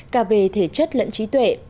cả về thể chất lẫn trí tuệ